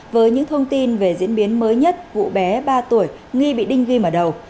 với những thông tin về diễn biến mới nhất cụ bé ba tuổi nghi bị đinh ghi mở đầu